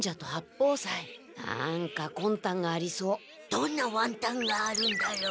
どんなワンタンがあるんだろう。